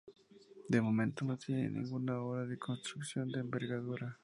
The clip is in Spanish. De momento no tiene ninguna obra de construcción de envergadura.